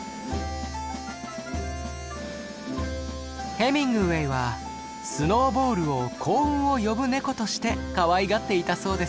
ヘミングウェイはスノーボールを幸運を呼ぶネコとしてかわいがっていたそうです。